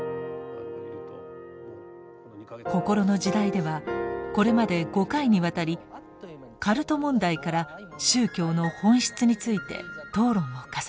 「こころの時代」ではこれまで５回にわたりカルト問題から宗教の本質について討論を重ねてきました。